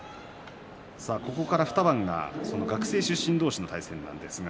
ここから２番学生出身同士の対戦です。